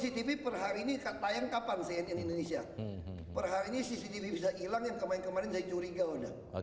cctv bisa hilang ya kemarin kemarin saya curiga udah